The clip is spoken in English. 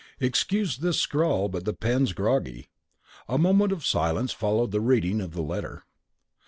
Excuse this scrawl, but the pen's groggy. A moment of silence followed the reading of the letter.